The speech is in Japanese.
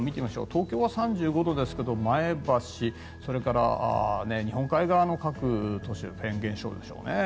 東京は３５度ですが前橋、それから日本海側の各都市フェーン現象でしょうね。